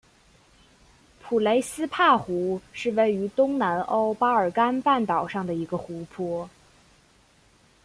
普雷斯帕湖是位于东南欧巴尔干半岛上的一个湖泊。